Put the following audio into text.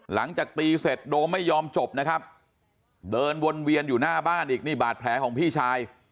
หลังจากตีเสร็จโดมไม่ยอมจบนะครับเดินวนเวียนอยู่หน้าบ้านอีกนี่บาดแผลของพี่ชาย